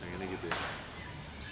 pengennya gitu ya